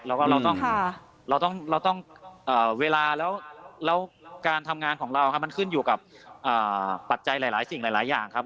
แล้วก็เราต้องเวลาแล้วการทำงานของเรามันขึ้นอยู่กับปัจจัยหลายสิ่งหลายอย่างครับ